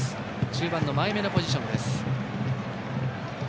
中盤の前めのポジションです。